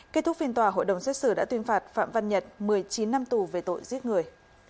kết thúc phiên tòa hội đồng xét xử đã tuyên phạt phạm văn nhật một mươi chín năm tù về tội giết người